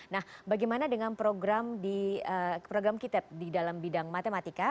nah bagaimana dengan program kitab di dalam bidang matematika